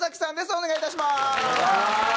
お願いいたします。